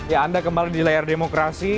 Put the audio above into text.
ya anda kembali di layar demokrasi